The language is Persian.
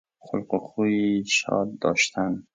خلق و خوی شاد داشتن